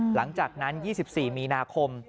หลังจากนั้น๒๔มีนาคม